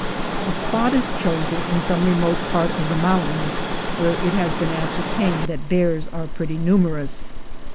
A spot is chosen in some remote part of the moun tains, where it has been ascertained that bears are pretty numerous.